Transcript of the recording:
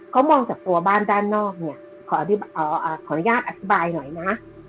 เขามองจากตัวบ้านด้านนอกเนี่ยขออนุญาตอธิบายหน่อยนะ